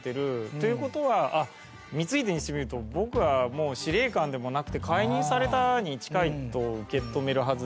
という事は光秀にしてみると「僕はもう司令官でもなくて解任されたに近い」と受け止めるはずで。